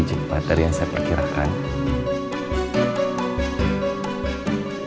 tunggu sebentar ya mams